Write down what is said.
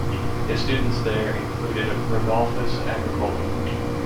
His students there included Rodolphus Agricola.